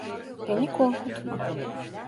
Beni korkutma.